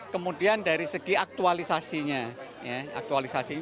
kemudian dari segi aktualisasinya